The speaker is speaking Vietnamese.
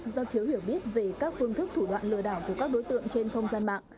do thiếu hiểu biết về các phương thức thủ đoạn lừa đảo của các đối tượng trên không gian mạng